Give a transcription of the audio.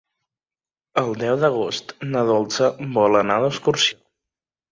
El deu d'agost na Dolça vol anar d'excursió.